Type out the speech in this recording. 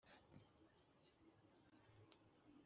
ngango ya rugusha